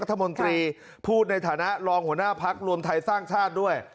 รัฐมนตรีพูดในฐานะรองหัวหน้าพักรวมไทยสร้างชาติด้วย